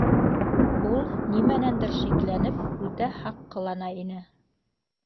Ул нимәнәндер шикләнеп, үтә һаҡ ҡылана ине.